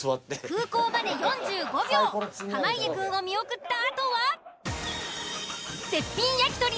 空港まで４５秒濱家くんを見送ったあとは。